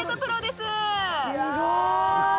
すごーい！